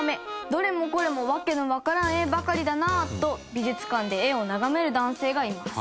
「どれもこれもわけのわからん絵ばかりだな」と美術館で絵を眺める男性がいます。